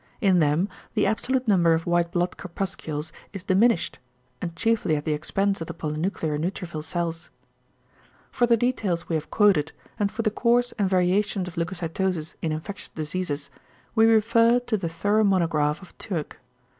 In them the absolute number of white blood corpuscles is diminished, and chiefly at the expense of the polynuclear neutrophil cells. For the details we have quoted, and for the course and variations of leucocytosis in infectious diseases we refer to the thorough monograph of Türk.